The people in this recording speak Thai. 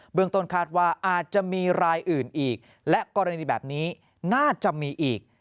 เมืองต้นคาดว่าอาจจะมีรายอื่นอีกและกรณีแบบนี้น่าจะมีอีก